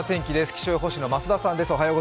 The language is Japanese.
気象予報士の増田さんです。